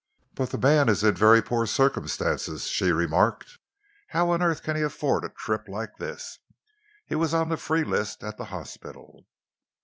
"But the man is in very poor circumstances," she remarked. "How on earth can he afford a trip like this? He was on the free list at the hospital."